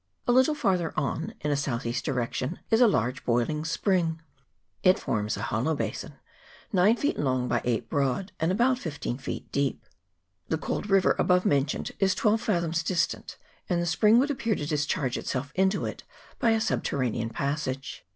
A little farther on, in a S.E. direction, is a large boiling spring. It forms CHAP. XXIV. 1 LAKE TAUPO. 341 j % a hollow basin nine feet long by eight broad, and about fifteen feet deep. The cold river above mentioned is twelve fathoms distant, and the spring would appear to discharge itself into it by a subter ranean passage.